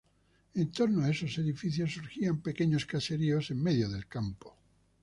En torno a esos edificios surgían pequeños caseríos en medio del campo.